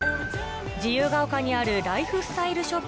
自由が丘にあるライフスタイルショップ